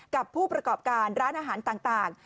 กับผู้ประกอบการร้านอาหารต่าง